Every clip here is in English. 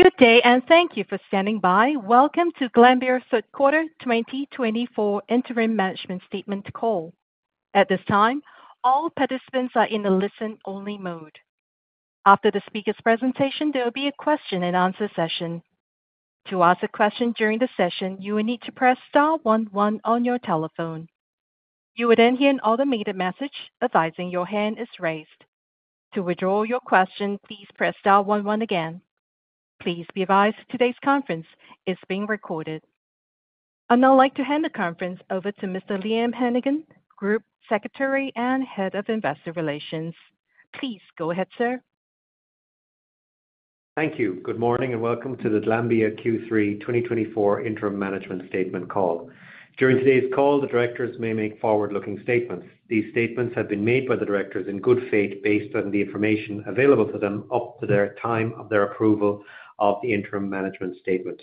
Good day, and thank you for standing by. Welcome to Glanbia's Liam Hennigan's 2024 Interim Management Statement call. At this time, all participants are in the listen-only mode. After the speaker's presentation, there will be a question-and-answer session. To ask a question during the session, you will need to press star one-one on your telephone. You will then hear an automated message advising your hand is raised. To withdraw your question, please press star one-one again. Please be advised today's conference is being recorded. I'd now like to hand the conference over to Mr. Liam Hennigan, Group Secretary and Head of Investor Relations. Please go ahead, sir. Thank you. Good morning and welcome to the Glanbia, Liam Hennigan Q3 2024 Interim Management Statement call. During today's call, the directors may make forward-looking statements. These statements have been made by the directors in good faith based on the information available to them up to the time of their approval of the Interim Management Statement.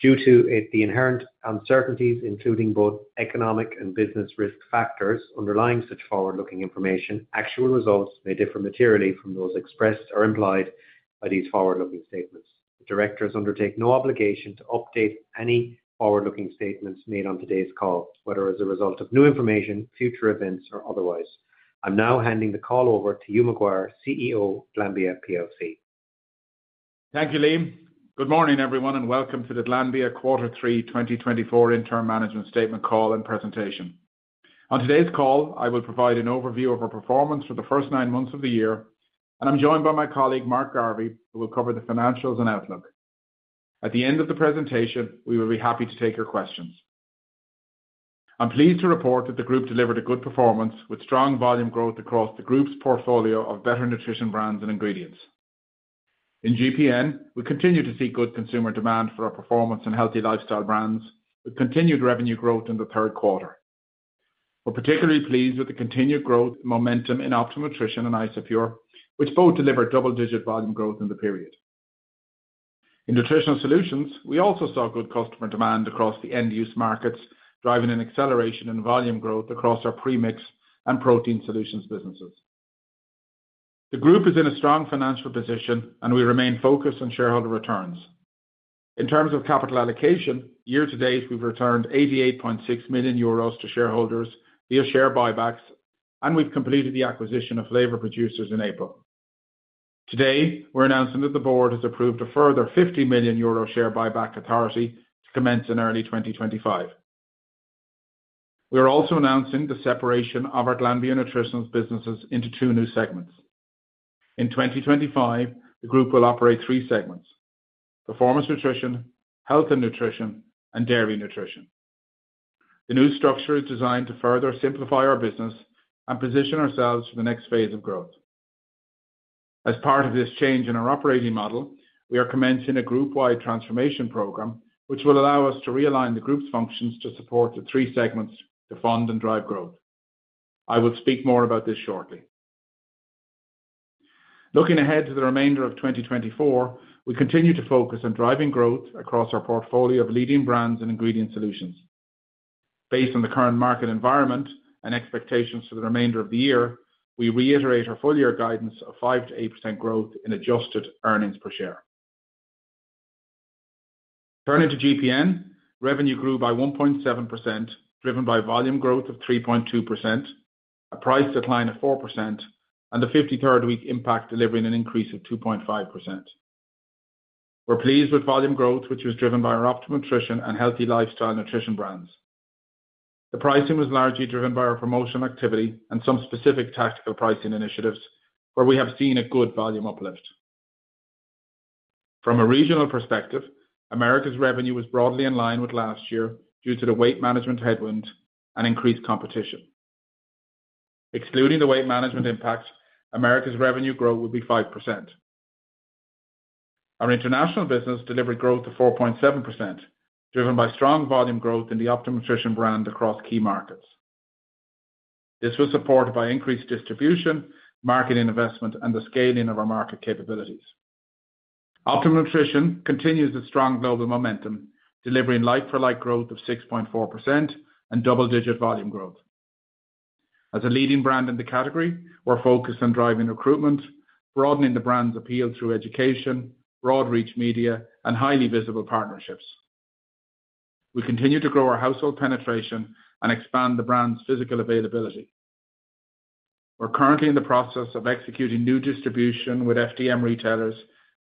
Due to the inherent uncertainties, including both economic and business risk factors underlying such forward-looking information, actual results may differ materially from those expressed or implied by these forward-looking statements. Directors undertake no obligation to update any forward-looking statements made on today's call, whether as a result of new information, future events, or otherwise. I'm now handing the call over to Hugh McGuire, CEO of Glanbia plc. Thank you, Liam. Good morning, everyone, and welcome to the Glanbia Liam Hennigan Q3 2024 Interim Management Statement call and presentation. On today's call, I will provide an overview of our performance for the first nine months of the year, and I'm joined by my colleague, Mark Garvey, who will cover the financials and outlook. At the end of the presentation, we will be happy to take your questions. I'm pleased to report that the Group delivered a good performance with strong volume growth across the Group's portfolio of better nutrition brands and ingredients. In GPN, we continue to see good consumer demand for our performance and healthy lifestyle brands with continued revenue growth in the third quarter. We're particularly pleased with the continued growth and momentum in Optimum Nutrition and Isopure, which both delivered double-digit volume growth in the period. In Nutritional Solutions, we also saw good customer demand across the end-use markets, driving an acceleration in volume growth across our premix and protein solutions businesses. The Group is in a strong financial position, and we remain focused on shareholder returns. In terms of capital allocation, year-to-date, we've returned 88.6 million euros to shareholders via share buybacks, and we've completed the acquisition of Flavor Producers in April. Today, we're announcing that the Board has approved a further 50 million euro share buyback authority to commence in early 2025. We are also announcing the separation of our nutritional businesses into two new segments. In 2025, the Group will operate three segments: Performance Nutrition, Health and Nutrition, and Dairy Nutrition. The new structure is designed to further simplify our business and position ourselves for the next phase of growth. As part of this change in our operating model, we are commencing a group-wide transformation program, which will allow us to realign the Group's functions to support the three segments to fund and drive growth. I will speak more about this shortly. Looking ahead to the remainder of 2024, we continue to focus on driving growth across our portfolio of leading brands and ingredient solutions. Based on the current market environment and expectations for the remainder of the year, we reiterate our full-year guidance of 5%-8% growth in adjusted earnings per share. Turning to GPN, revenue grew by 1.7%, driven by volume growth of 3.2%, a price decline of 4%, and the 53rd week impact delivering an increase of 2.5%. We're pleased with volume growth, which was driven by our Optimum Nutrition and healthy lifestyle nutrition brands. The pricing was largely driven by our promotional activity and some specific tactical pricing initiatives, where we have seen a good volume uplift. From a regional perspective, Americas revenue was broadly in line with last year due to the weight management headwind and increased competition. Excluding the weight management impact, Americas revenue growth would be 5%. Our international business delivered growth of 4.7%, driven by strong volume growth in the Optimum Nutrition brand across key markets. This was supported by increased distribution, marketing investment, and the scaling of our market capabilities. Optimum Nutrition continues its strong global momentum, delivering like-for-like growth of 6.4% and double-digit volume growth. As a leading brand in the category, we're focused on driving recruitment, broadening the brand's appeal through education, broad-reach media, and highly visible partnerships. We continue to grow our household penetration and expand the brand's physical availability. We're currently in the process of executing new distribution with FDM retailers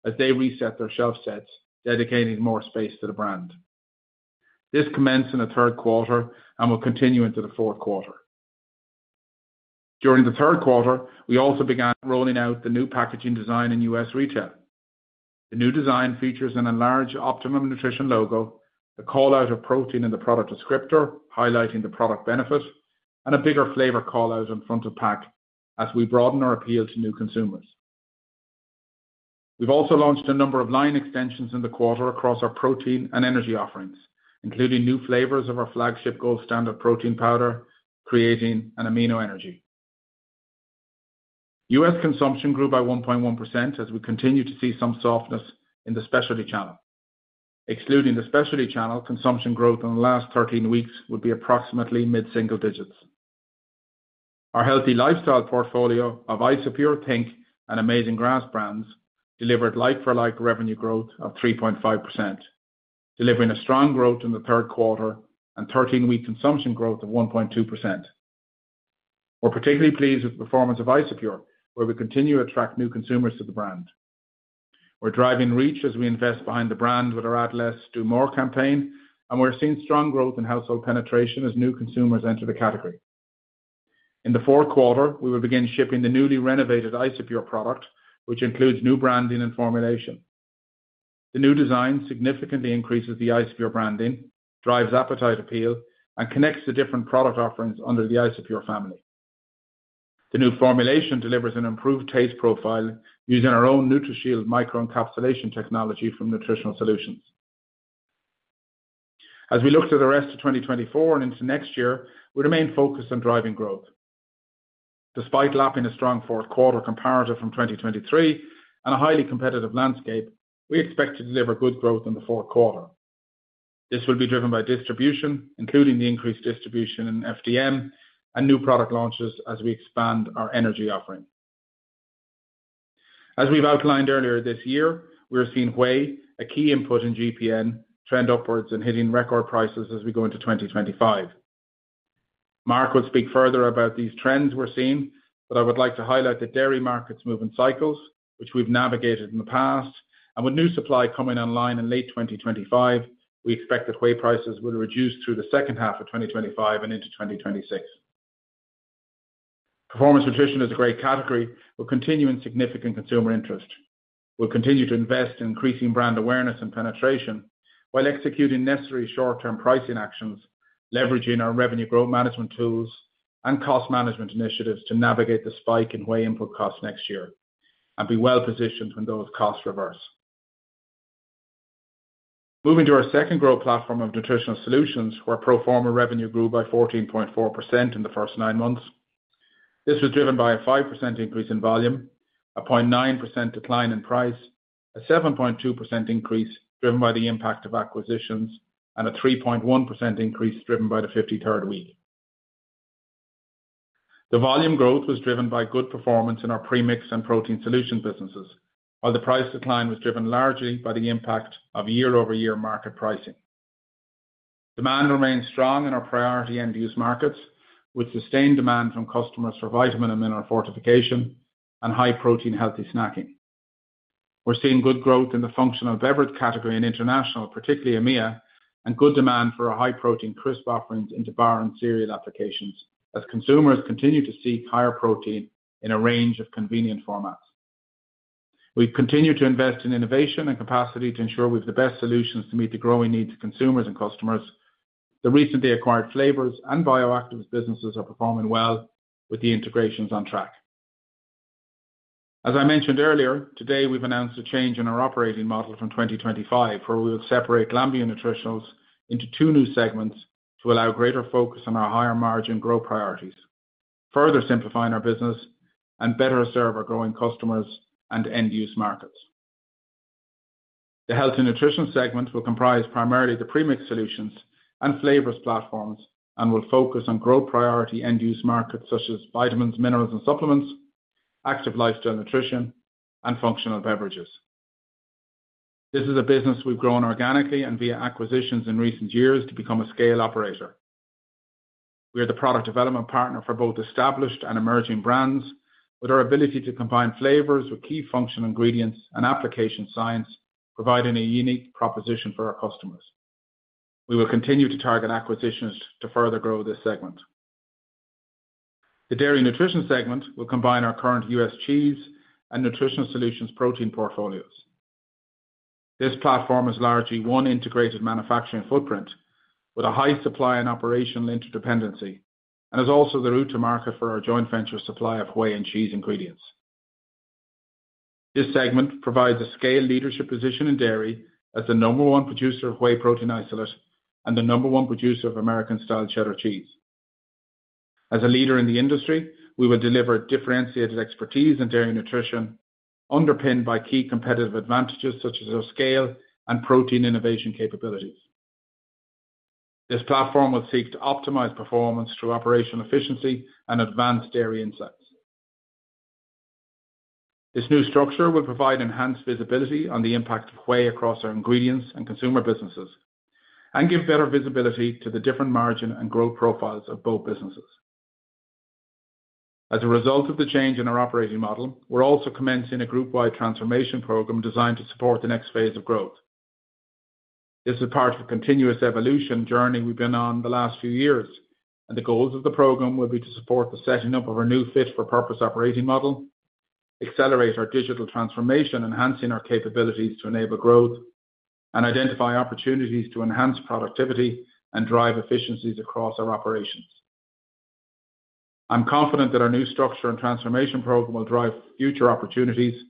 as they reset their shelf sets, dedicating more space to the brand. This commenced in the third quarter and will continue into the fourth quarter. During the third quarter, we also began rolling out the new packaging design in U.S. retail. The new design features an enlarged Optimum Nutrition logo, a call-out of protein in the product descriptor highlighting the product benefit, and a bigger flavor call-out in front of pack as we broaden our appeal to new consumers. We've also launched a number of line extensions in the quarter across our protein and energy offerings, including new flavors of our flagship Gold Standard protein powder, creatine, and Amino Energy. U.S. consumption grew by 1.1% as we continue to see some softness in the specialty channel. Excluding the specialty channel, consumption growth in the last 13 weeks would be approximately mid-single digits. Our healthy lifestyle portfolio of Isopure, think!, and Amazing Grass brands delivered like-for-like revenue growth of 3.5%, delivering a strong growth in the third quarter and 13-week consumption growth of 1.2%. We're particularly pleased with the performance of Isopure, where we continue to attract new consumers to the brand. We're driving reach as we invest behind the brand with our Add Less, Do More campaign, and we're seeing strong growth in household penetration as new consumers enter the category. In the fourth quarter, we will begin shipping the newly renovated Isopure product, which includes new branding and formulation. The new design significantly increases the Isopure branding, drives appetite appeal, and connects the different product offerings under the Isopure family. The new formulation delivers an improved taste profile using our own NutraShield microencapsulation technology from Nutritional Solutions. As we look to the rest of 2024 and into next year, we remain focused on driving growth. Despite lapping a strong fourth quarter comparator from 2023 and a highly competitive landscape, we expect to deliver good growth in the fourth quarter. This will be driven by distribution, including the increased distribution in FDM and new product launches as we expand our energy offering. As we've outlined earlier this year, we are seeing whey, a key input in GPN, trend upwards and hitting record prices as we go into 2025. Mark will speak further about these trends we're seeing, but I would like to highlight the dairy market's moving cycles, which we've navigated in the past, and with new supply coming online in late 2025, we expect that whey prices will reduce through the second half of 2025 and into 2026. Performance nutrition is a great category. We're continuing significant consumer interest. We'll continue to invest in increasing brand awareness and penetration while executing necessary short-term pricing actions, leveraging our revenue growth management tools and cost management initiatives to navigate the spike in whey input costs next year and be well positioned when those costs reverse. Moving to our second growth platform of Nutritional Solutions, where pro forma revenue grew by 14.4% in the first nine months. This was driven by a 5% increase in volume, a 0.9% decline in price, a 7.2% increase driven by the impact of acquisitions, and a 3.1% increase driven by the 53rd week. The volume growth was driven by good performance in our premix and protein solutions businesses, while the price decline was driven largely by the impact of year-over-year market pricing. Demand remains strong in our priority end-use markets, with sustained demand from customers for vitamin and amino fortification and high-protein healthy snacking. We're seeing good growth in the functional beverage category and international, particularly EMEA, and good demand for our high-protein crisp offerings into bar and cereal applications as consumers continue to seek higher protein in a range of convenient formats. We continue to invest in innovation and capacity to ensure we have the best solutions to meet the growing needs of consumers and customers. The recently acquired flavors and bioactive businesses are performing well with the integrations on track. As I mentioned earlier, today we've announced a change in our operating model from 2025, where we will separate Glanbia Nutritionals into two new segments to allow greater focus on our higher margin growth priorities, further simplifying our business and better serving our growing customers and end-use markets. The Health and Nutrition segment will comprise primarily the premix solutions and flavors platforms and will focus on growth priority end-use markets such as vitamins, minerals, and supplements, active lifestyle nutrition, and functional beverages. This is a business we've grown organically and via acquisitions in recent years to become a scale operator. We are the product development partner for both established and emerging brands with our ability to combine flavors with key functional ingredients and application science, providing a unique proposition for our customers. We will continue to target acquisitions to further grow this segment. The Dairy Nutrition segment will combine our current U.S. cheese and Nutritional Solutions protein portfolios. This platform is largely one integrated manufacturing footprint with a high supply and operational interdependency and is also the route to market for our joint venture supply of whey and cheese ingredients. This segment provides a scale leadership position in dairy as the number one producer of whey protein isolate and the number one producer of American-style Cheddar cheese. As a leader in the industry, we will deliver differentiated expertise in Dairy Nutrition underpinned by key competitive advantages such as our scale and protein innovation capabilities. This platform will seek to optimize performance through operational efficiency and advanced dairy insights. This new structure will provide enhanced visibility on the impact of Whey across our ingredients and consumer businesses and give better visibility to the different margin and growth profiles of both businesses. As a result of the change in our operating model, we're also commencing a group-wide transformation program designed to support the next phase of growth. This is part of a continuous evolution journey we've been on the last few years, and the goals of the program will be to support the setting up of our new fit-for-purpose operating model, accelerate our digital transformation, enhancing our capabilities to enable growth, and identify opportunities to enhance productivity and drive efficiencies across our operations. I'm confident that our new structure and transformation program will drive future opportunities,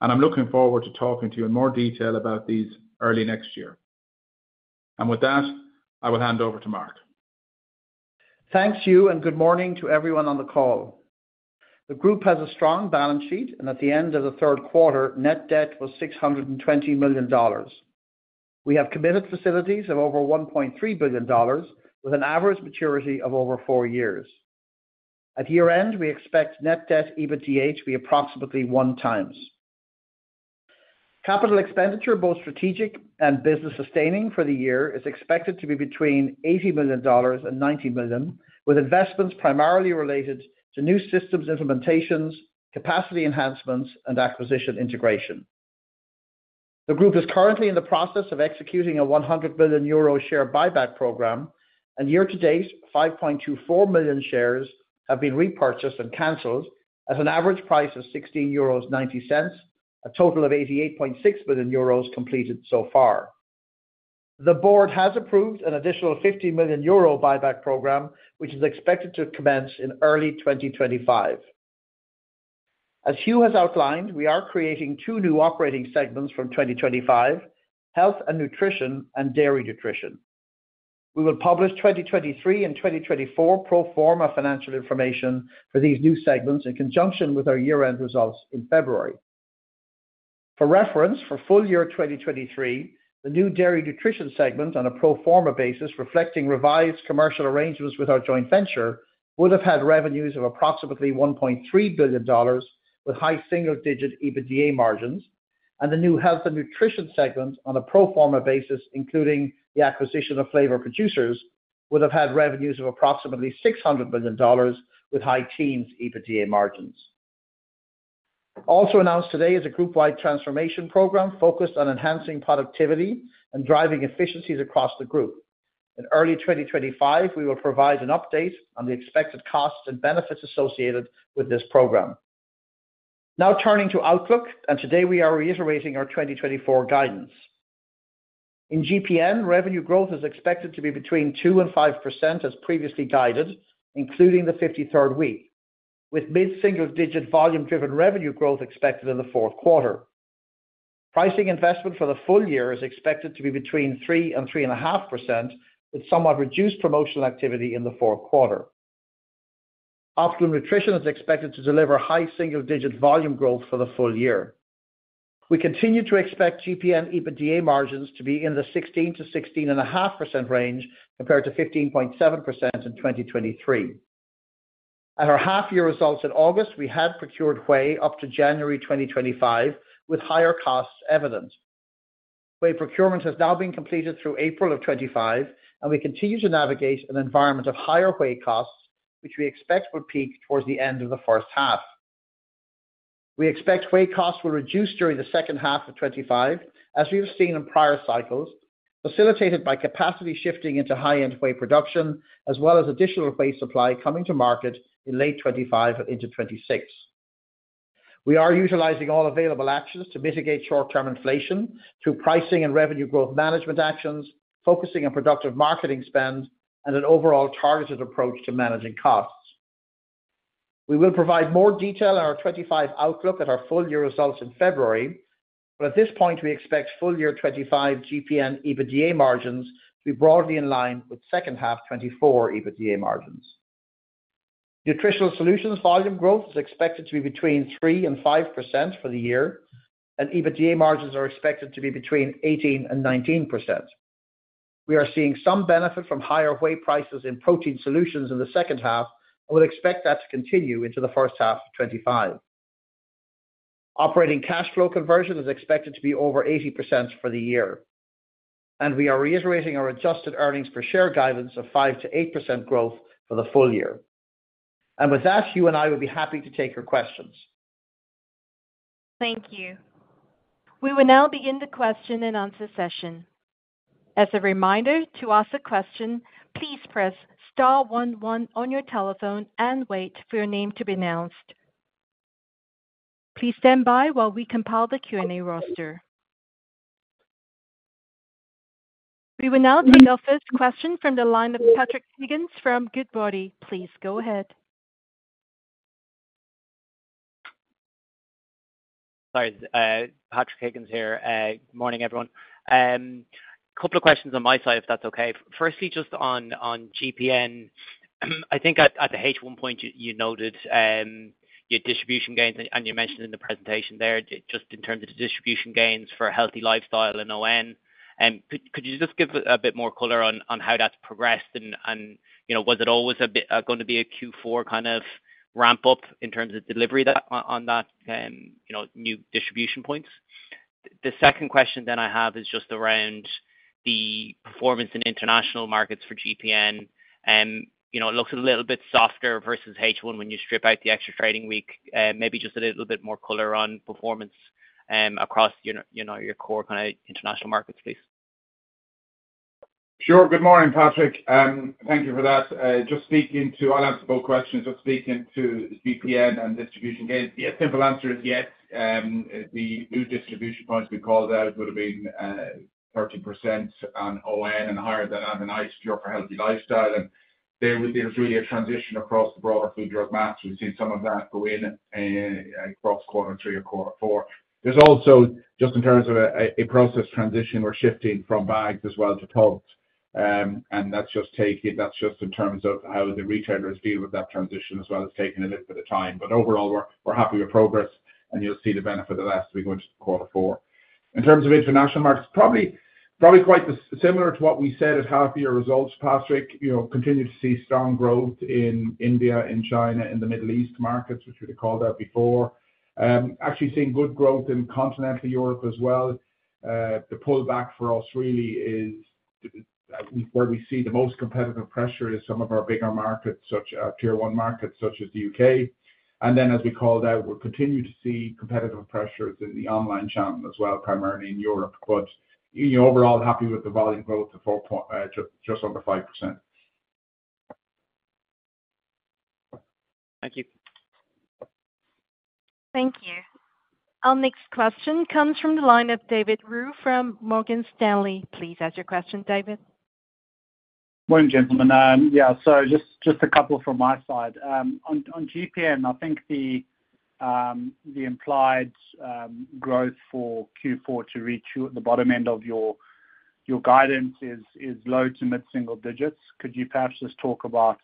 and I'm looking forward to talking to you in more detail about these early next year. With that, I will hand over to Mark. Thanks, Hugh, and good morning to everyone on the call. The Group has a strong balance sheet, and at the end of the third quarter, net debt was $620 million. We have committed facilities of over $1.3 billion, with an average maturity of over four years. At year-end, we expect net debt to EBITDA to be approximately one times. Capital expenditure, both strategic and business-sustaining for the year, is expected to be between $80 million and $90 million, with investments primarily related to new systems implementations, capacity enhancements, and acquisition integration. The Group is currently in the process of executing a €100 million share buyback program, and year-to-date, 5.24 million shares have been repurchased and canceled at an average price of €16.90, a total of €88.6 million completed so far. The Board has approved an additional €50 million buyback program, which is expected to commence in early 2025. As Hugh has outlined, we are creating two new operating segments from 2025: Health and Nutrition and Dairy Nutrition. We will publish 2023 and 2024 pro forma financial information for these new segments in conjunction with our year-end results in February. For reference, for full year 2023, the new Dairy Nutrition segment on a pro forma basis, reflecting revised commercial arrangements with our joint venture, would have had revenues of approximately $1.3 billion, with high single-digit EBITDA margins, and the new Health and Nutrition segment on a pro forma basis, including the acquisition of Flavor Producers, would have had revenues of approximately $600 million, with high teens EBITDA margins. Also announced today is a group-wide transformation program focused on enhancing productivity and driving efficiencies across the Group. In early 2025, we will provide an update on the expected costs and benefits associated with this program. Now turning to Outlook, and today we are reiterating our 2024 guidance. In GPN, revenue growth is expected to be between 2% and 5% as previously guided, including the 53rd week, with mid-single-digit volume-driven revenue growth expected in the fourth quarter. Pricing investment for the full year is expected to be between 3% and 3.5%, with somewhat reduced promotional activity in the fourth quarter. Optimum Nutrition is expected to deliver high single-digit volume growth for the full year. We continue to expect GPN EBITDA margins to be in the 16%-16.5% range compared to 15.7% in 2023. At our half-year results in August, we had procured whey up to January 2025, with higher costs evident. Whey procurement has now been completed through April of 2025, and we continue to navigate an environment of higher whey costs, which we expect will peak towards the end of the first half. We expect whey costs will reduce during the second half of 2025, as we have seen in prior cycles, facilitated by capacity shifting into high-end whey production, as well as additional whey supply coming to market in late 2025 and into 2026. We are utilizing all available actions to mitigate short-term inflation through pricing and revenue growth management actions, focusing on productive marketing spend and an overall targeted approach to managing costs. We will provide more detail in our 2025 Outlook at our full year results in February, but at this point, we expect full year 2025 GPN EBITDA margins to be broadly in line with second half 2024 EBITDA margins. Nutritional Solutions volume growth is expected to be between 3% and 5% for the year, and EBITDA margins are expected to be between 18% and 19%. We are seeing some benefit from higher whey prices in Protein Solutions in the second half and would expect that to continue into the first half of 2025. Operating cash flow conversion is expected to be over 80% for the year, and we are reiterating our adjusted earnings per share guidance of 5% to 8% growth for the full year. And with that, Hugh and I would be happy to take your questions. Thank you. We will now begin the question and answer session. As a reminder, to ask a question, please press star one-one on your telephone and wait for your name to be announced. Please stand by while we compile the Q&A roster. We will now take our first question from the line of Patrick Higgins from Goodbody. Please go ahead. Sorry, Patrick Higgins here. Good morning, everyone. A couple of questions on my side, if that's okay. Firstly, just on GPN, I think at the H1 point, you noted your distribution gains, and you mentioned in the presentation there just in terms of distribution gains for healthy lifestyle and ON. Could you just give a bit more color on how that's progressed? And was it always going to be a Q4 kind of ramp-up in terms of delivery on that new distribution points? The second question then I have is just around the performance in international markets for GPN. It looks a little bit softer versus H1 when you strip out the extra trading week. Maybe just a little bit more color on performance across your core kind of international markets, please. Sure. Good morning, Patrick. Thank you for that. Just speaking to your several questions, just speaking to GPN and distribution gains, the simple answer is yes. The new distribution points we called out would have been 30% on ON and higher than on an ACGR for healthy lifestyle. And there was really a transition across the broader food, drug, mass. We've seen some of that go in across quarter three or quarter four. There's also, just in terms of a process transition, we're shifting from bags as well to pouches. And that's just in terms of how the retailers deal with that transition as well as taking a little bit of time. But overall, we're happy with progress, and you'll see the benefit of that as we go into quarter four. In terms of international markets, probably quite similar to what we said at half-year results, Patrick, continue to see strong growth in India, in China, in the Middle East markets, which we called out before. Actually seeing good growth in continental Europe as well. The pullback for us really is where we see the most competitive pressure is some of our bigger markets, such as tier one markets such as the U.K. And then, as we called out, we'll continue to see competitive pressures in the online channel as well, primarily in Europe. But overall, happy with the volume growth of just under 5%. Thank you. Thank you. Our next question comes from the line of David Roux from Morgan Stanley. Please ask your question, David. Morning, gentlemen. Yeah, so just a couple from my side. On GPN, I think the implied growth for Q4 to reach the bottom end of your guidance is low to mid-single digits. Could you perhaps just talk about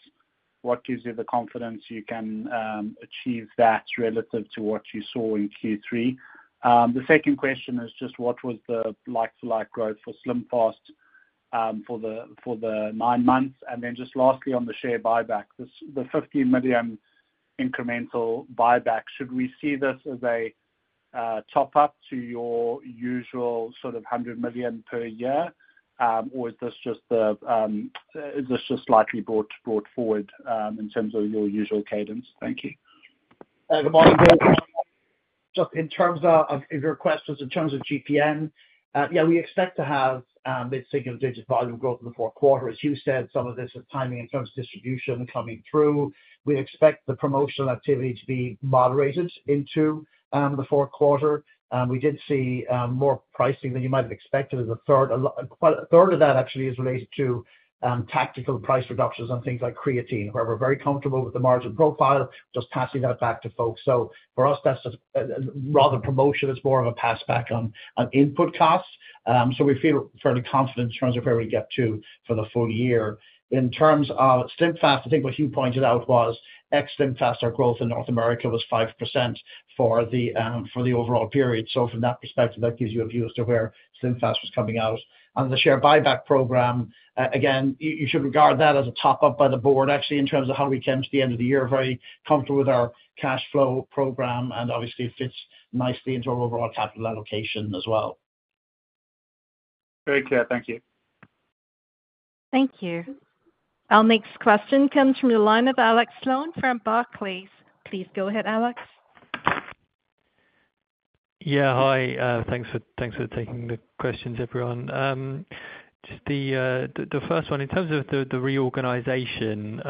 what gives you the confidence you can achieve that relative to what you saw in Q3? The second question is just what was the like-for-like growth for SlimFast for the nine months? And then just lastly, on the share buyback, the €15 million incremental buyback, should we see this as a top-up to your usual sort of €100 million per year, or is this just slightly brought forward in terms of your usual cadence? Thank you. Good morning, David. Just in terms of your questions in terms of GPN, yeah, we expect to have mid-single digit volume growth in the fourth quarter. As Hugh said, some of this is timing in terms of distribution coming through. We expect the promotional activity to be moderated into the fourth quarter. We did see more pricing than you might have expected in the third. A third of that actually is related to tactical price reductions on things like creatine, where we're very comfortable with the margin profile, just passing that back to folks. So for us, that's rather promotion. It's more of a passback on input costs. So we feel fairly confident in terms of where we get to for the full year. In terms of SlimFast, I think what Hugh pointed out was ex-SlimFast, our growth in North America was 5% for the overall period. So from that perspective, that gives you a view as to where SlimFast was coming out. On the share buyback program, again, you should regard that as a top-up by the Board, actually, in terms of how we came to the end of the year. Very comfortable with our cash flow program, and obviously fits nicely into our overall capital allocation as well. Very clear. Thank you. Thank you. Our next question comes from the line of Alex Sloane from Barclays. Please go ahead, Alex. Yeah, hi. Thanks for taking the questions, everyone. Just the first one, in terms of the reorganization,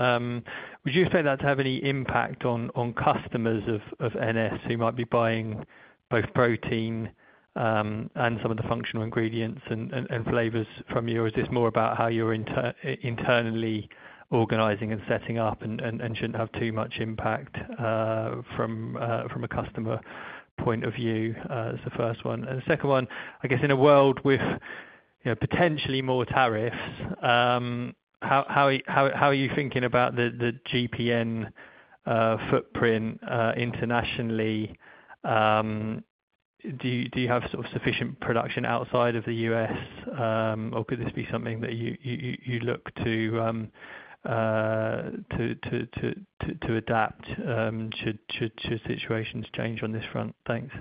would you expect that to have any impact on customers of NS who might be buying both protein and some of the functional ingredients and flavors from you? Or is this more about how you're internally organizing and setting up and shouldn't have too much impact from a customer point of view? That's the first one. And the second one, I guess in a world with potentially more tariffs, how are you thinking about the GPN footprint internationally? Do you have sufficient production outside of the U.S., or could this be something that you look to adapt to situations change on this front? Thanks.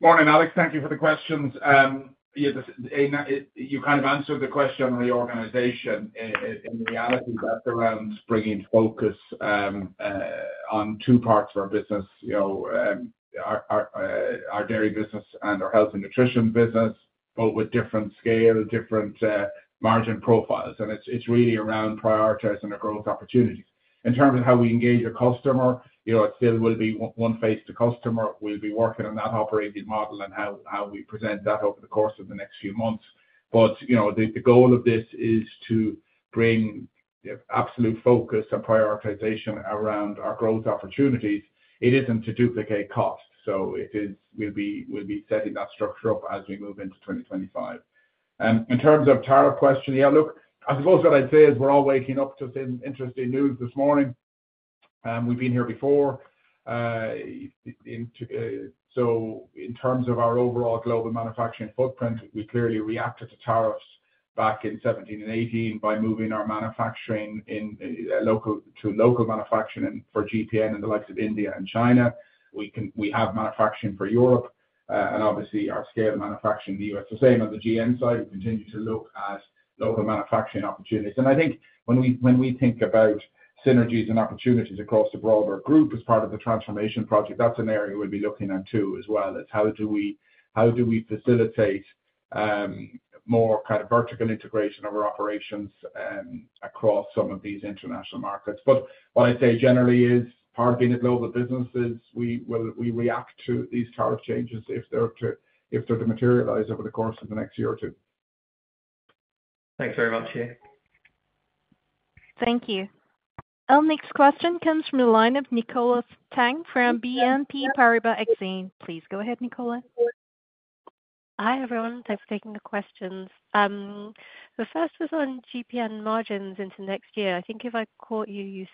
Morning, Alex. Thank you for the questions. You kind of answered the question on reorganization. In reality, that's around bringing focus on two parts of our business, our dairy business and our Health and Nutrition business, but with different scale, different margin profiles. And it's really around prioritizing our growth opportunities. In terms of how we engage a customer, it still will be one face to customer. We'll be working on that operating model and how we present that over the course of the next few months. But the goal of this is to bring absolute focus and prioritization around our growth opportunities. It isn't to duplicate costs. So we'll be setting that structure up as we move into 2025. In terms of tariff question, yeah, look, I suppose what I'd say is we're all waking up to some interesting news this morning. We've been here before. So in terms of our overall global manufacturing footprint, we clearly reacted to tariffs back in 2017 and 2018 by moving our manufacturing to local manufacturing for GPN and the likes of India and China. We have manufacturing for Europe, and obviously our scale of manufacturing in the U.S. is the same. On the GN side, we continue to look at local manufacturing opportunities. And I think when we think about synergies and opportunities across the broader group as part of the transformation project, that's an area we'll be looking at too as well. It's how do we facilitate more kind of vertical integration of our operations across some of these international markets. But what I'd say generally is part of being a global business is we react to these tariff changes if they're to materialize over the course of the next year or two. Thanks very much, Hugh. Thank you. Our next question comes from the line of Nicola Tang from BNP Paribas Exane. Please go ahead, Nicola. Hi, everyone. Thanks for taking the questions. The first is on GPN margins into next year. I think if I caught you,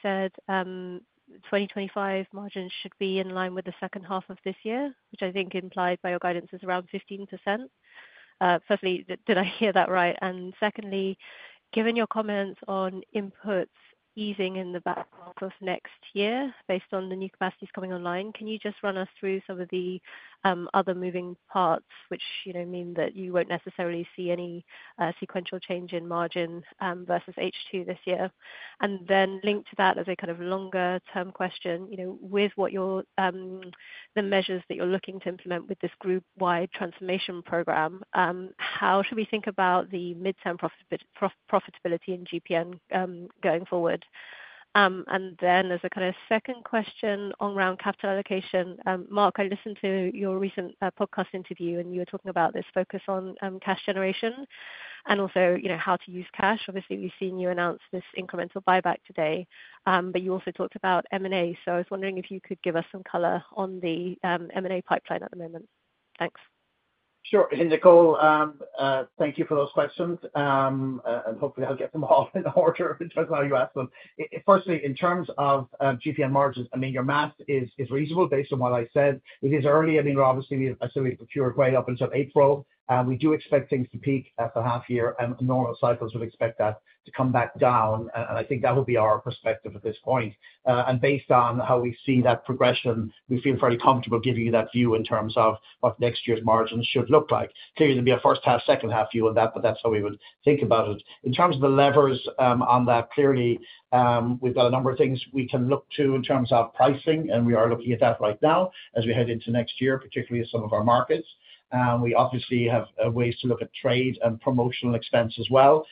you said 2025 margins should be in line with the second half of this year, which I think implied by your guidance is around 15%. Firstly, did I hear that right? And secondly, given your comments on inputs easing in the back of next year based on the new capacities coming online, can you just run us through some of the other moving parts, which mean that you won't necessarily see any sequential change in margin versus H2 this year? And then link to that as a kind of longer-term question with the measures that you're looking to implement with this group-wide transformation program. How should we think about the mid-term profitability in GPN going forward? And then as a kind of second question on our capital allocation, Mark, I listened to your recent podcast interview, and you were talking about this focus on cash generation and also how to use cash. Obviously, we've seen you announce this incremental buyback today, but you also talked about M&A. So I was wondering if you could give us some color on the M&A pipeline at the moment. Thanks. Sure. Here's Nicola. Thank you for those questions. And hopefully, I'll get them all in order in terms of how you asked them. Firstly, in terms of GPN margins, I mean, your math is reasonable based on what I said. It is early. I mean, obviously, I said we've procured whey up until April. We do expect things to peak after half year, and normal cycles would expect that to come back down. I think that will be our perspective at this point. And based on how we see that progression, we feel fairly comfortable giving you that view in terms of what next year's margins should look like. Clearly, there'll be a first half, second half view on that, but that's how we would think about it. In terms of the levers on that, clearly, we've got a number of things we can look to in terms of pricing, and we are looking at that right now as we head into next year, particularly in some of our markets. We obviously have ways to look at trade and promotional expense as well.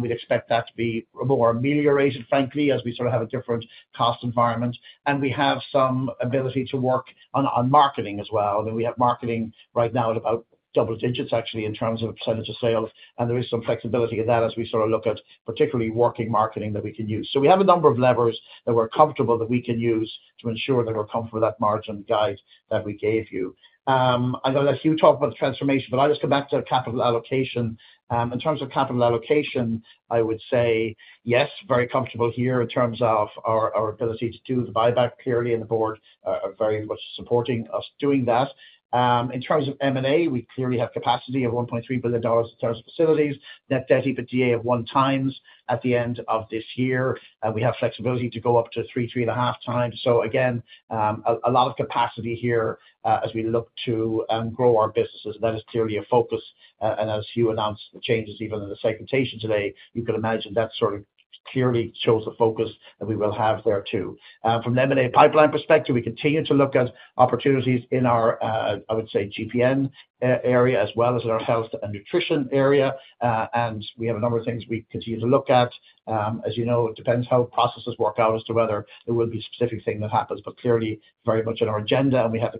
We'd expect that to be more ameliorated, frankly, as we sort of have a different cost environment. We have some ability to work on marketing as well. I mean, we have marketing right now at about double digits, actually, in terms of percentage of sales. And there is some flexibility in that as we sort of look at particularly working marketing that we can use. So we have a number of levers that we're comfortable that we can use to ensure that we're comfortable with that margin guide that we gave you. I'm going to let Hugh talk about the transformation, but I'll just come back to capital allocation. In terms of capital allocation, I would say, yes, very comfortable here in terms of our ability to do the buyback clearly, the board very much supporting us doing that. In terms of M&A, we clearly have capacity of $1.3 billion in terms of facilities, net debt EBITDA of one times at the end of this year. We have flexibility to go up to three, three and a half times, so again, a lot of capacity here as we look to grow our businesses. That is clearly a focus, and as Hugh announced the changes, even in the segmentation today, you could imagine that sort of clearly shows the focus that we will have there too. From the M&A pipeline perspective, we continue to look at opportunities in our, I would say, GPN area as well as in our Health and Nutrition area, and we have a number of things we continue to look at. As you know, it depends how processes work out as to whether there will be a specific thing that happens, but clearly very much on our agenda, and we have the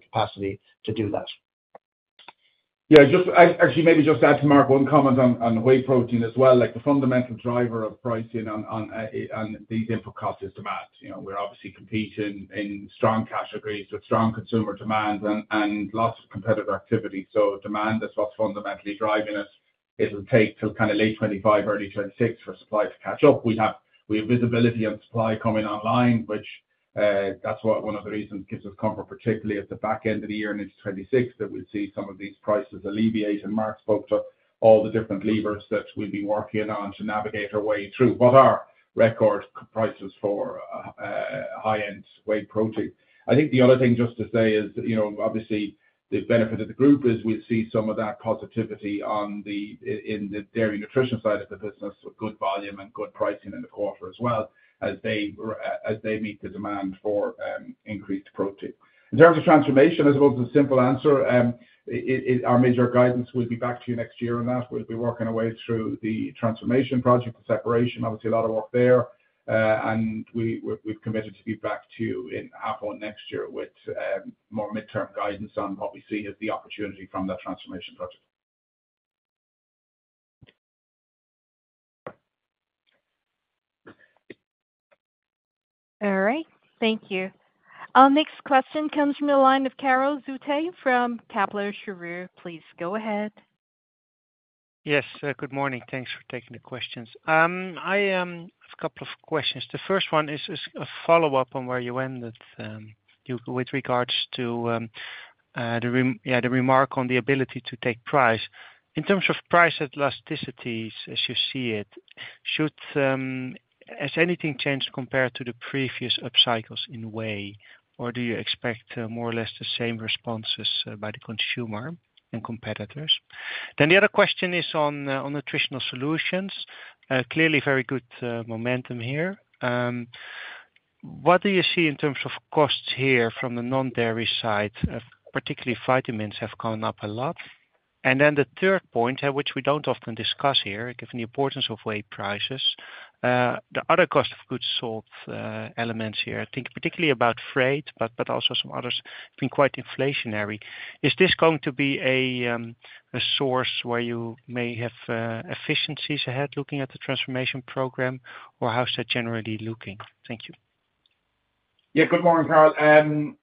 capacity to do that. Yeah, actually, maybe just add to Mark one comment on whey protein as well. The fundamental driver of pricing on these input costs is demand. We're obviously competing in strong categories with strong consumer demand and lots of competitive activity. So demand is what's fundamentally driving us. It'll take till kind of late 2025, early 2026 for supply to catch up. We have visibility on supply coming online, which that's one of the reasons it gives us comfort, particularly at the back end of the year and into 2026, that we'll see some of these prices alleviate. And Mark spoke to all the different levers that we've been working on to navigate our way through what are record prices for high-end whey protein. I think the other thing just to say is, obviously, the benefit of the group is we'll see some of that positivity in the Dairy Nutrition side of the business with good volume and good pricing in the quarter as well as they meet the demand for increased protein. In terms of transformation, I suppose the simple answer, our major guidance will be back to you next year on that. We'll be working our way through the transformation project, the separation, obviously, a lot of work there. And we've committed to be back to you in H1 of next year with more mid-term guidance on what we see as the opportunity from that transformation project. All right. Thank you. Our next question comes from the line of Karel Zoete from Kepler Cheuvreux. Please go ahead. Yes, good morning. Thanks for taking the questions. I have a couple of questions. The first one is a follow-up on where you ended with regards to the remark on the ability to take price. In terms of price elasticity, as you see it, has anything changed compared to the previous upcycles in whey, or do you expect more or less the same responses by the consumer and competitors? Then the other question is on Nutritional Solutions. Clearly, very good momentum here. What do you see in terms of costs here from the non-dairy side? Particularly, vitamins have gone up a lot. And then the third point, which we don't often discuss here, given the importance of whey prices, the other cost of goods sold elements here, I think particularly about freight, but also some others, have been quite inflationary. Is this going to be a source where you may have efficiencies ahead looking at the transformation program, or how's that generally looking? Thank you. Yeah, good morning, Karel.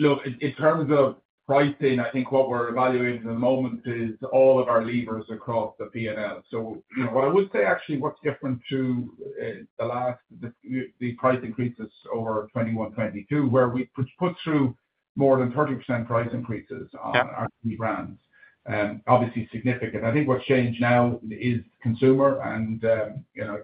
Look, in terms of pricing, I think what we're evaluating at the moment is all of our levers across the P&L. So what I would say, actually, what's different to the price increases over 2021, 2022, where we put through more than 30% price increases on three brands, obviously significant. I think what's changed now is consumer and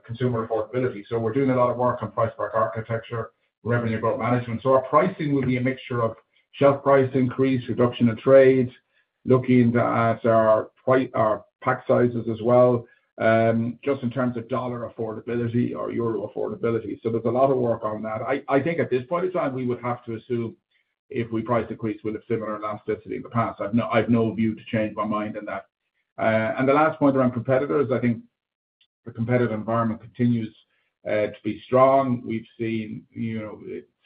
consumer affordability. So we're doing a lot of work on price architecture, revenue growth management. So our pricing will be a mixture of shelf price increase, reduction of trade, looking at our pack sizes as well, just in terms of dollar affordability or euro affordability. So there's a lot of work on that. I think at this point in time, we would have to assume if we price increase, we'll have similar elasticity in the past. I have no view to change my mind on that. And the last point around competitors, I think the competitive environment continues to be strong. We've seen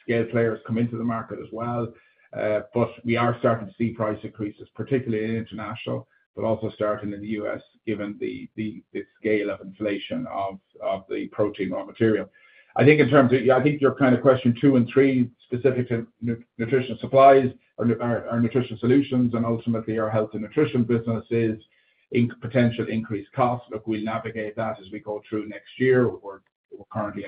scale players come into the market as well. But we are starting to see price increases, particularly in international, but also starting in the US, given the scale of inflation of the protein raw material. I think in terms of I think your kind of question two and three, specific to Nutritional Solutions or our Nutritional Solutions and ultimately our Health and Nutrition businesses, potential increased costs. Look, we'll navigate that as we go through next year. We're currently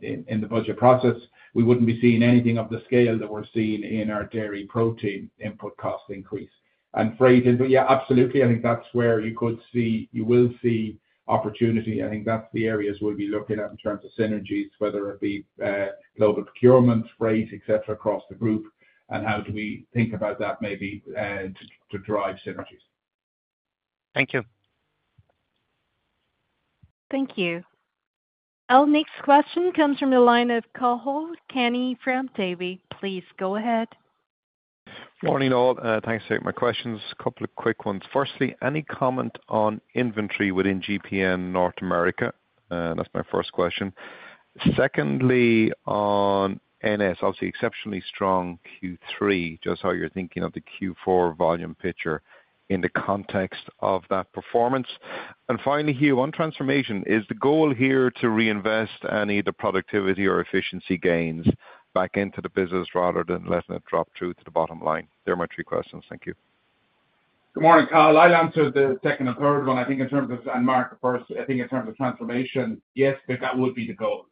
in the budget process. We wouldn't be seeing anything of the scale that we're seeing in our dairy protein input cost increase. And freight, yeah, absolutely. I think that's where you will see opportunity. I think that's the areas we'll be looking at in terms of synergies, whether it be global procurement, freight, etc., across the group, and how do we think about that maybe to drive synergies. Thank you. Thank you. Our next question comes from the line of Cathal Kenny from Davy. Please go ahead. Morning all. Thanks for taking my questions. A couple of quick ones. Firstly, any comment on inventory within GPN North America? That's my first question. Secondly, on NS, obviously exceptionally strong Q3, just how you're thinking of the Q4 volume picture in the context of that performance. And finally, Hugh, on transformation, is the goal here to reinvest any of the productivity or efficiency gains back into the business rather than letting it drop through to the bottom line? They're my three questions. Thank you. Good morning, Cathal. I'll answer the second and third one. I think in terms of, and Mark first, I think in terms of transformation, yes, that would be the goal.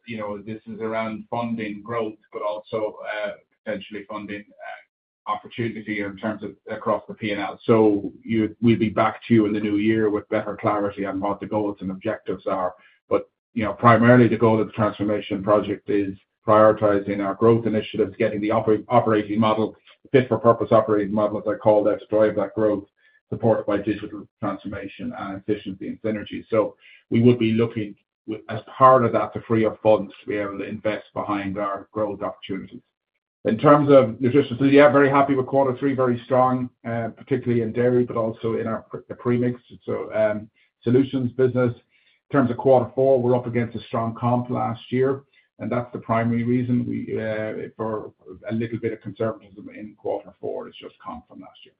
This is around funding growth, but also potentially funding opportunity in terms of across the P&L. So we'll be back to you in the new year with better clarity on what the goals and objectives are. But primarily, the goal of the transformation project is prioritizing our growth initiatives, getting the operating model, fit-for-purpose operating model, as I called it, to drive that growth supported by digital transformation and efficiency and synergy. So we would be looking, as part of that, to free up funds to be able to invest behind our growth opportunities. In terms of nutrition, yeah, very happy with quarter three, very strong, particularly in dairy, but also in our premix solutions business. In terms of quarter four, we're up against a strong comp last year. That's the primary reason for a little bit of conservatism in quarter four. It's just comp from last year.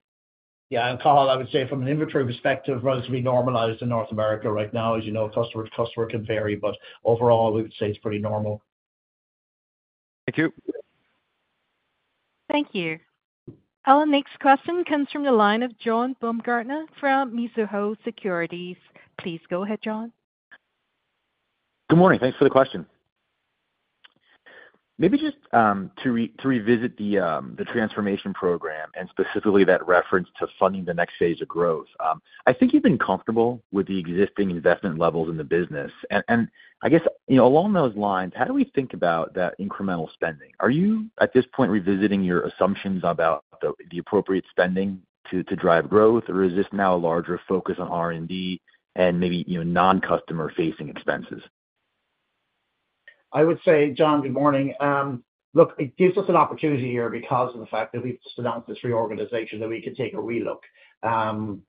Yeah. Cathal, I would say from an inventory perspective, relatively normalized in North America right now. As you know, customer to customer can vary, but overall, we would say it's pretty normal. Thank you. Thank you. Our next question comes from the line of John Baumgartner from Mizuho Securities. Please go ahead, John. Good morning. Thanks for the question. Maybe just to revisit the transformation program and specifically that reference to funding the next phase of growth. I think you've been comfortable with the existing investment levels in the business. I guess along those lines, how do we think about that incremental spending? Are you at this point revisiting your assumptions about the appropriate spending to drive growth, or is this now a larger focus on R&D and maybe non-customer-facing expenses? I would say, John, good morning. Look, it gives us an opportunity here because of the fact that we've just announced this reorganization that we could take a relook.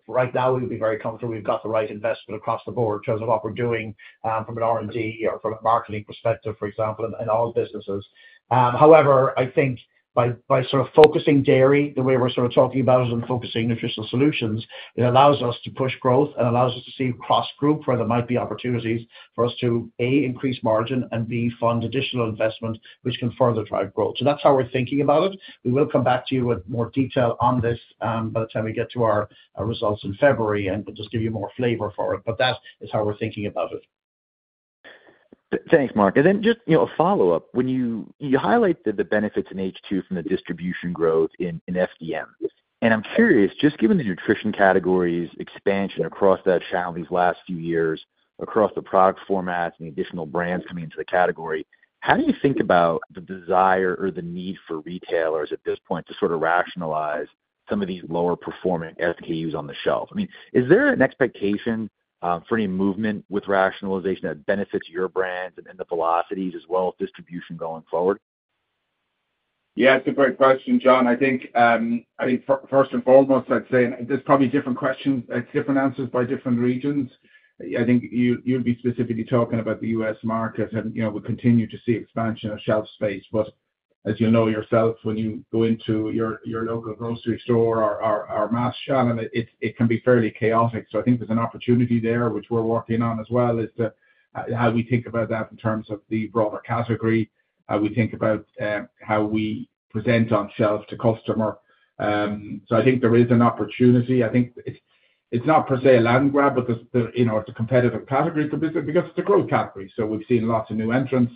Right now, we would be very comfortable. We've got the right investment across the board in terms of what we're doing from an R&D or from a marketing perspective, for example, in all businesses. However, I think by sort of focusing Dairy Nutrition the way we're sort of talking about it and focusing Nutritional Solutions, it allows us to push growth and allows us to see across group where there might be opportunities for us to, A, increase margin and, B, fund additional investment, which can further drive growth. So that's how we're thinking about it. We will come back to you with more detail on this by the time we get to our results in February and just give you more flavor for it. But that is how we're thinking about it. Thanks, Mark. And then just a follow-up. You highlighted the benefits in H2 from the distribution growth in FDM. And I'm curious, just given the nutrition categories expansion across that channel these last few years, across the product formats and the additional brands coming into the category, how do you think about the desire or the need for retailers at this point to sort of rationalize some of these lower-performing SKUs on the shelf? I mean, is there an expectation for any movement with rationalization that benefits your brands and the velocities as well as distribution going forward? Yeah, it's a great question, John. I think, first and foremost, I'd say there's probably different questions. It's different answers by different regions. I think you'd be specifically talking about the U.S. market, and we continue to see expansion of shelf space. But as you'll know yourself, when you go into your local grocery store or mass shop, it can be fairly chaotic. So I think there's an opportunity there, which we're working on as well, is how we think about that in terms of the broader category, how we think about how we present ourselves to customer. So I think there is an opportunity. I think it's not per se a land grab, but it's a competitive category because it's a growth category. So we've seen lots of new entrants.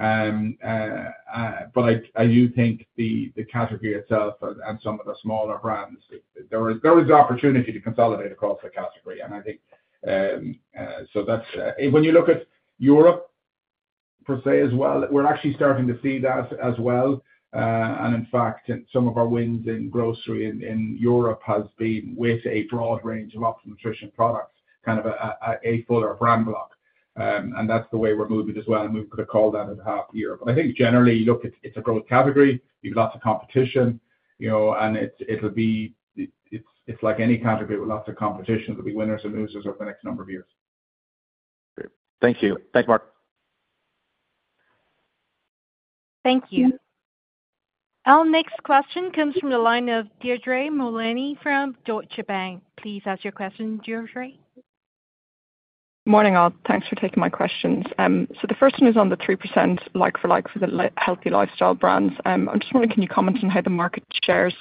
But I do think the category itself and some of the smaller brands, there is opportunity to consolidate across the category. And I think so when you look at Europe per se as well, we're actually starting to see that as well. And in fact, some of our wins in grocery in Europe has been with a broad range of Optimum Nutrition products, kind of a fuller brand block. And that's the way we're moving as well. And we've got to call that a half year. But I think generally, you look at, it's a growth category. You've got lots of competition, and it'll be, it's like any category with lots of competition. There'll be winners and losers over the next number of years. Thank you. Thanks, Mark. Thank you. Our next question comes from the line of Deirdre Mullaney from Deutsche Bank. Please ask your question, Deirdre. Morning, all. Thanks for taking my questions. So the first one is on the 3% like-for-like for the healthy lifestyle brands. I'm just wondering, can you comment on how the market shares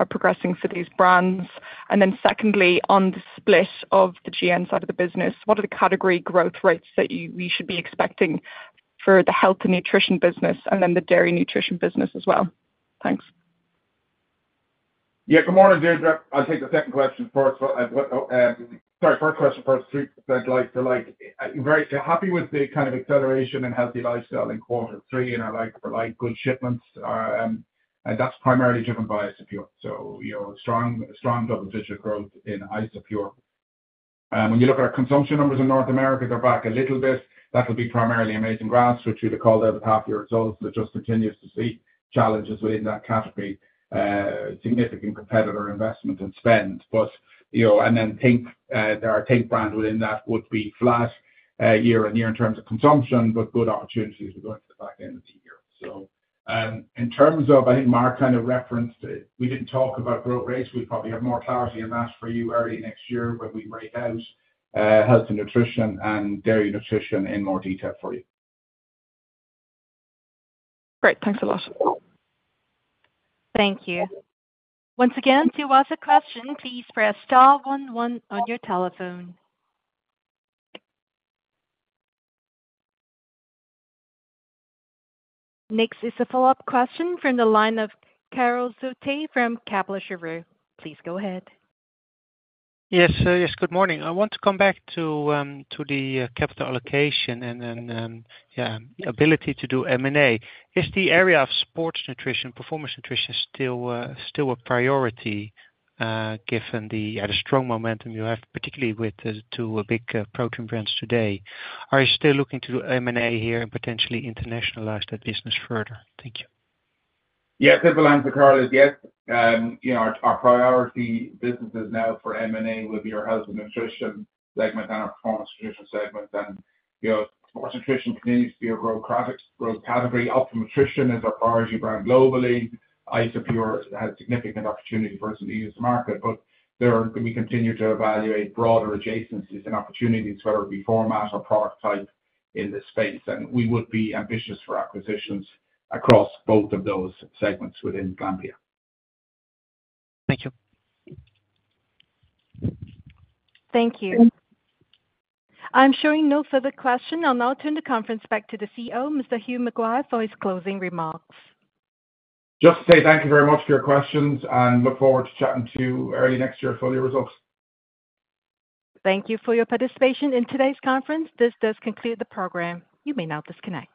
are progressing for these brands? And then secondly, on the split of the GN side of the business, what are the category growth rates that we should be expecting for the Health and Nutrition business and then the Dairy Nutrition business as well? Thanks. Yeah, good morning, Deirdre. I'll take the second question first. Sorry, first question first, 3% like-for-like. Very happy with the kind of acceleration in Healthy Lifestyle in quarter three and our like-for-like good shipments. And that's primarily driven by Isopure. So strong double-digit growth in Isopure. When you look at our consumption numbers in North America, they're back a little bit. That'll be primarily Amazing Grass, which we've called out a half year result. It just continues to see challenges within that category, significant competitor investment and spend. But and then our think! brand within that would be flat year on year in terms of consumption, but good opportunities to go into the back end of the year. So in terms of, I think Mark kind of referenced, we didn't talk about growth rates. We probably have more clarity on that for you early next year when we break out Health and Nutrition and Dairy Nutrition in more detail for you. Great. Thanks a lot. Thank you. Once again, to ask a question, please press star one-one on your telephone. Next is a follow-up question from the line of Karel Zoete from Kepler Cheuvreux. Please go ahead. Yes, sir. Yes, good morning. I want to come back to the capital allocation and then, yeah, ability to do M&A. Is the area of sports nutrition, performance nutrition still a priority given the strong momentum you have, particularly with the two big protein brands today? Are you still looking to do M&A here and potentially internationalize that business further? Thank you. Yeah, good. The line for Karel is yes. Our priority businesses now for M&A would be our Health and Nutrition segment and our performance nutrition segment. And sports nutrition continues to be a growth category. Optimum Nutrition is our priority brand globally. Isopure has significant opportunity for us to use the market. But we continue to evaluate broader adjacencies and opportunities, whether it be format or product type in this space. And we would be ambitious for acquisitions across both of those segments within Glanbia. Thank you. Thank you. I'm showing no further question. I'll now turn the conference back to the CEO, Mr. Hugh McGuire, for his closing remarks. Just to say thank you very much for your questions and look forward to chatting to you early next year for the results. Thank you for your participation in today's conference. This does conclude the program. You may now disconnect.